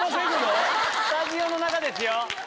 スタジオの中ですよ！